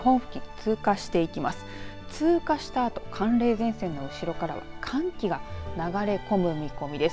通過したあと寒冷前線が後ろから寒気が流れ込む見込みです。